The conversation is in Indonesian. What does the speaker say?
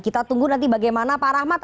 kita tunggu nanti bagaimana pak rahmat